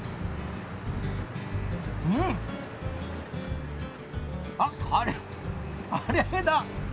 うん！あっカレーカレーだ。